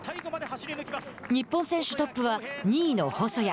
日本選手トップは２位の細谷。